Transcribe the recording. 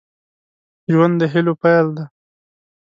ژوند د هيلو پيل دی.